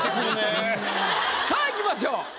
さあいきましょう。